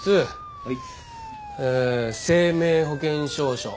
はい。